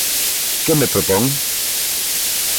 ¿Que me propón?